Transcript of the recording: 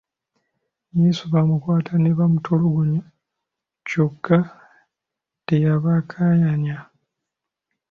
Yesu baamukwata ne bamutulugunya kyokka teyabakaayanya.